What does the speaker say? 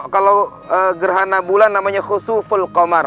kalau gerhana bulan namanya khusuful komar